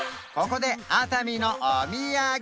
ここで熱海のお土産！